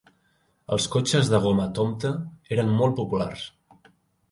Els cotxes de goma Tomte eren molt populars.